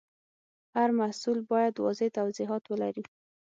هر محصول باید واضح توضیحات ولري.